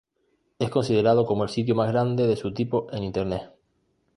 Es considerado como el sitio más grande de su tipo en Internet.